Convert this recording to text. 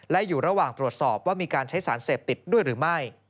และอยู่ระหว่างตรวจสอบว่ามีการใช้สารเสพติดด้วยหรือไม่